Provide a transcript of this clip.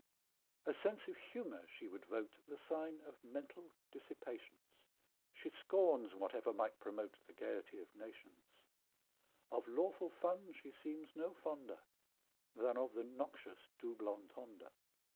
A sense of humor she would vote The sign of mental dissipations; She scorns whatever might promote The gaiety of nations; Of lawful fun she seems no fonder Than of the noxious dooblontonder!